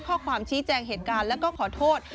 ข้อความชี้แจงเหตุการณ์แล้วก็ขอโทษ